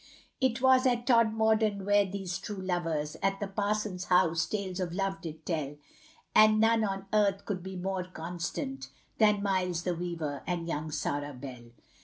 It was at Todmorden where these true lovers, At the parson's house, tales of love did tell, And none on earth could be more constant, Than Miles the weaver and young Sarah Bell.